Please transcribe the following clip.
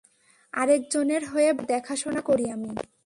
আরেকজনের হয়ে বাড়িটা দেখাশোনা করি আমি।